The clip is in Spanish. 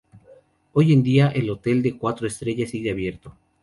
Hoy en día, el hotel de cuatro estrellas sigue abierto.